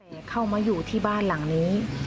แต่เข้ามาอยู่ที่บ้านหลังนี้